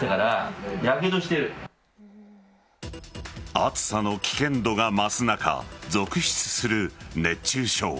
暑さの危険度が増す中続出する熱中症。